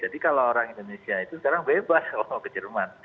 jadi kalau orang indonesia itu sekarang bebas kalau mau ke jerman